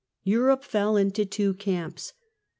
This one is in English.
Europe fell into two camps.